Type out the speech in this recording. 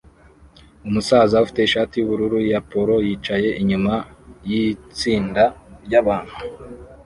Umusaza ufite ishati yubururu ya polo yicaye inyuma yitsinda ryabantu